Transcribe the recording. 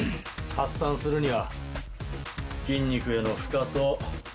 発散するには筋肉への負荷と。